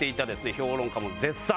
評論家も絶賛。